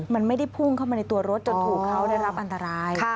มันไม่ได้พุ่งเข้ามาในตัวรถจนถูกเขาได้รับอันตราย